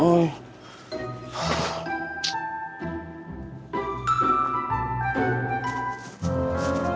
oh ya allah